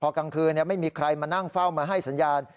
พอกลางคืนไม่มีใครมานั่งเฝ้ามาให้สัญญาณ